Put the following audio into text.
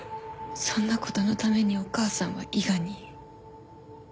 そんなことのためにお母さんは伊賀に。